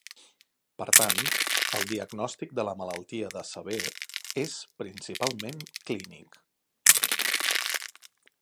Per tant, el diagnòstic de la malaltia de Sever és principalment clínic.